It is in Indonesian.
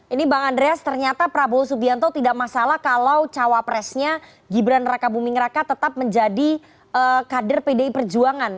ini bang andreas ternyata prabowo subianto tidak masalah kalau cawapresnya gibran raka buming raka tetap menjadi kader pdi perjuangan